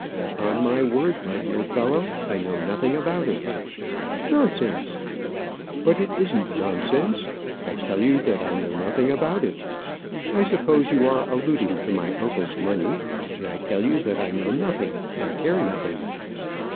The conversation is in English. "Upon my word, my dear fellow, I know nothing about it." "Nonsense!" "But it isn't nonsense. I tell you that I know nothing about it. I suppose you are alluding to my uncle's money; and I tell you that I know nothing and care nothing."